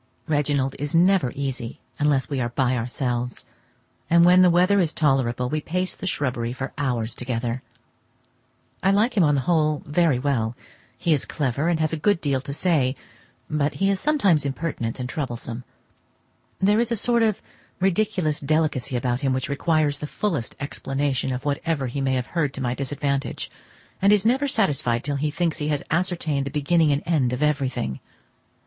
Reginald is never easy unless we are by ourselves, and when the weather is tolerable, we pace the shrubbery for hours together. I like him on the whole very well; he is clever and has a good deal to say, but he is sometimes impertinent and troublesome. There is a sort of ridiculous delicacy about him which requires the fullest explanation of whatever he may have heard to my disadvantage, and is never satisfied till he thinks he has ascertained the beginning and end of everything.